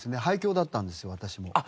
俳協だったんですよ私も。